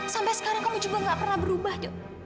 sampai sekarang kamu juga gak pernah berubah dong